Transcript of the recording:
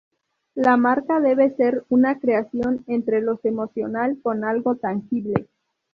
La marca debe ser una creación entre los emocional con algo tangible.